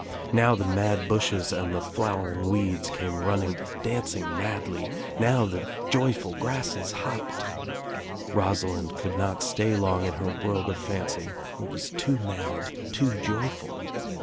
Now the mad bushes and the flowering weeds came run ning, dancing madly, now the joyful grasses hopped. Rosalind could not stay long in her world of fancy. It was too mad, too joyful.